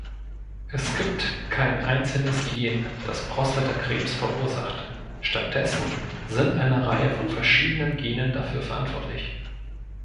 Es gibt kein einzelnes Gen, das Prostatakrebs verursacht; statt dessen sind eine Reihe von verschiedenen Genen dafür verantwortlich.